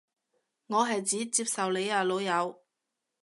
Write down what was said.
我係指接受你啊老友